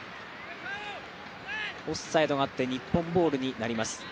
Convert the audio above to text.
オフサイドがあって、日本ボールになります。